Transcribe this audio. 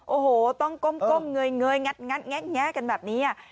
โอ้โหต้องก้มเงยงัดแงะกันแบบนี้